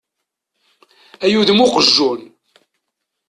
Ay udem uqejjun!